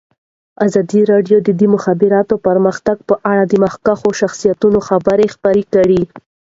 ازادي راډیو د د مخابراتو پرمختګ په اړه د مخکښو شخصیتونو خبرې خپرې کړي.